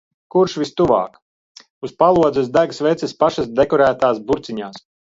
Kurš vistuvāk. Uz palodzes deg sveces pašas dekorētās burciņās.